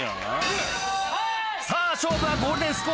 さぁ勝負はゴールデンスコア。